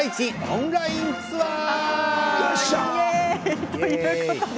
オンラインツアー！